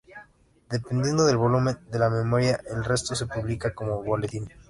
Dependiendo del volumen de la "Memoria", el resto se publicaba como "Boletín".